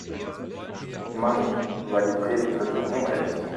Mann, war die Predigt heute langweilig!